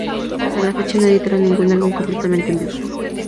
Hasta la fecha no editaron ningún álbum completamente en vivo.